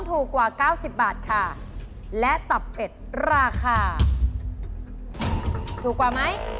ถูกกว่าถูกกว่าถูกกว่าถูกกว่าถูกกว่าถูกกว่า